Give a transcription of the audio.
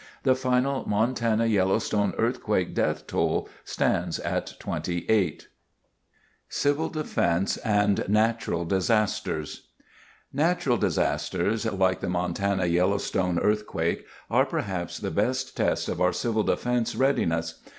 The final Montana Yellowstone Earthquake death toll stands at 28. CD AND NATURAL DISASTERS Natural disasters, like the Montana Yellowstone Earthquake, are perhaps the best test of our Civil Defense readiness.